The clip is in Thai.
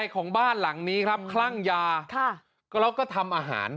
ของบ้านหลังนี้ครับคลั่งยาก็แล้วก็ทำอาหาร